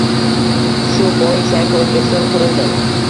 Shu bois, Yangi Oʻzbekiston qurildi.